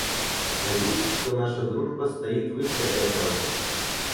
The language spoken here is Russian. Надеюсь, что наша дружба стоит выше этого.